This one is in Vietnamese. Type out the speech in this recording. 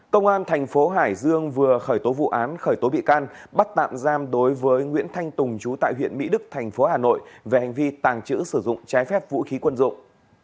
công an thành phố hải dương vừa khởi tố vụ án khởi tố bị can bắt tạm giam đối với nguyễn thanh tùng chú tại huyện mỹ đức thành phố hà nội về hành vi tàng trữ sử dụng trái phép vũ khí quân dụng